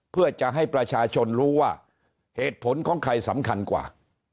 เพื่อจะให้ประชาชนรู้ว่าเหตุผลของใครสำคัญกว่า